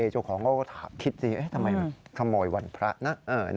เจ้าของก็ถามคิดสิทำไมเข้ามาขโมยวันพระนะ